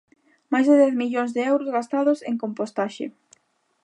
Máis de dez millóns de euros gastados en compostaxe.